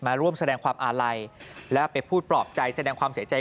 ร่วมแสดงความอาลัยและไปพูดปลอบใจแสดงความเสียใจ